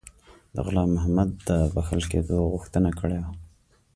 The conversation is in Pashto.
د غلام محمد د بخښل کېدلو غوښتنه کړې وه.